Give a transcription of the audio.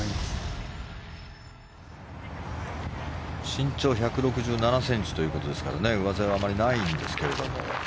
身長１６７ｃｍということですから上背はあまりないんですけども。